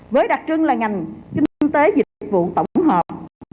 với đặc trưng là ngành kinh tế dịch vụ tổng hợp